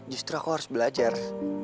justru aku harus belajar